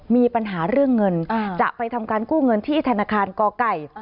มีปัญหาเรื่องเงินจะไปทำการกู้เงินที่ธนาคารกไก่